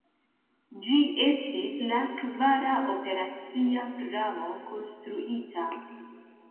Ĝi estis la kvara operacia pramo konstruita.